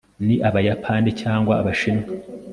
ni abayapani cyangwa abashinwa